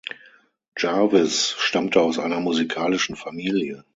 Jarvis stammte aus einer musikalischen Familie.